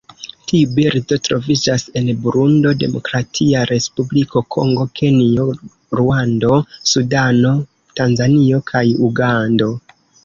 Tiu birdo troviĝas en Burundo, Demokratia Respubliko Kongo, Kenjo, Ruando, Sudano, Tanzanio kaj Ugando.